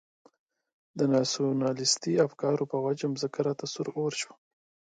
ناسیونالیستي افکارو په وجه مځکه راته سور اور شوه.